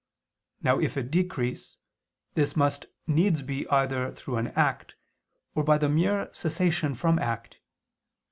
Now, if it decrease, this must needs be either through an act, or by the mere cessation from act.